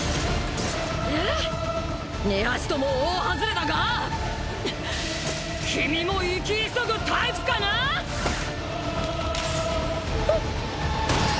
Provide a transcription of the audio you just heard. ⁉２発とも大ハズレだが⁉君も生き急ぐタイプかな⁉あ。